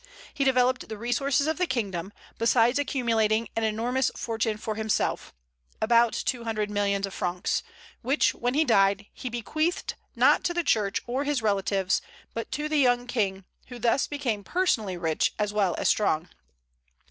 He developed the resources of the kingdom, besides accumulating an enormous fortune for himself, about two hundred millions of francs, which, when he died, he bequeathed, not to the Church or his relatives, but to the young King, who thus became personally rich as well as strong.